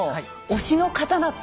「推しの刀」！